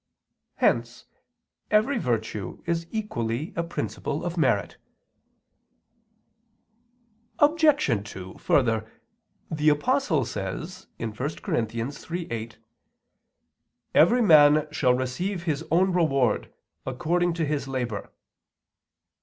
Hence every virtue is equally a principle of merit. Obj. 2: Further, the Apostle says (1 Cor. 3:8): "Every man shall receive his own reward according to his labor."